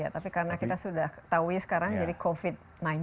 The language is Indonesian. tapi karena kita sudah ketahui sekarang jadi covid sembilan belas